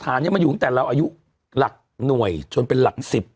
ก็อายุหลักหน่วยจนเป็นหลัก๑๐